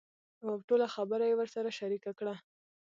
اوټوله خبره يې ورسره شريکه کړه .